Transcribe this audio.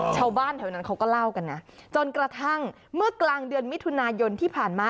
ชาวบ้านแถวนั้นเขาก็เล่ากันนะจนกระทั่งเมื่อกลางเดือนมิถุนายนที่ผ่านมา